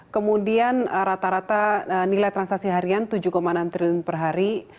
kemudian rata rata nilai transaksi harian tujuh enam triliun per hari